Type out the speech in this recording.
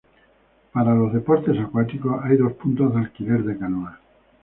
Para los deportes acuáticos, hay dos puntos de alquiler de canoas.